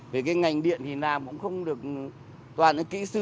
về cái ngành điện thì làm cũng không được toàn cái kỹ sư